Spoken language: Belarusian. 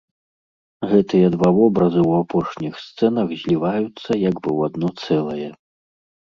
Гэтыя два вобразы ў апошніх сцэнах зліваюцца як бы ў адно цэлае.